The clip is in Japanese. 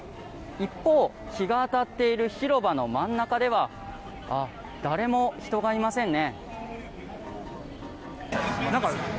一方、日が当たっている広場の真ん中では誰も人がいませんね。